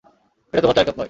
এটা তোমার চায়ের কাপ নয়।